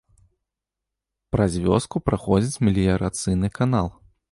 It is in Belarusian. Праз вёску праходзіць меліярацыйны канал.